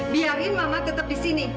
biarin mama tetap di sini